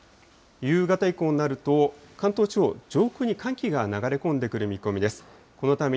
夕方以降になると、関東地方、上空に寒気が流れ込んでくる見込みです。